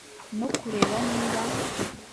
no kureba niba